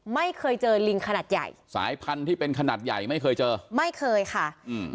ไม่เคยเจอลิงขนาดใหญ่สายพันธุ์ที่เป็นขนาดใหญ่ไม่เคยเจอไม่เคยค่ะอืม